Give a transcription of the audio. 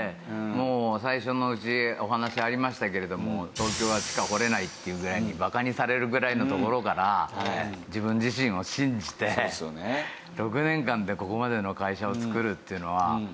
最初のお話ありましたけれども「東京は地下掘れない」っていうぐらいにバカにされるぐらいのところから自分自身を信じて６年間でここまでの会社をつくるっていうのは